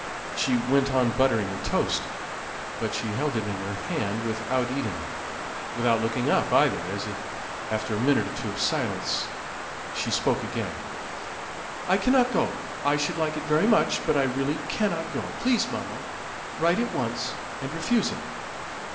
She went on buttering her toast, but she held it in her hand without eating it; without looking up either, as, after a minute or two of silence, she spoke again: "I cannot go. I should like it very much; but I really cannot go. Please, mamma, write at once, and refuse it."